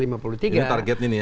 ini targetnya nih ya